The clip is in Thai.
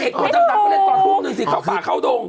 เด็กตัวดำดำก็เล่นตอน๖นึงสิเข้าป่าเข้าตรง